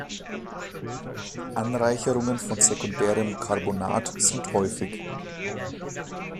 Anreicherungen von sekundärem Carbonat sind häufig.